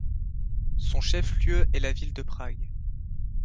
Son chef-lieu est la ville de Prague.